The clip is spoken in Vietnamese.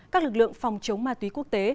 các lực lượng phòng chống ma túy quốc tế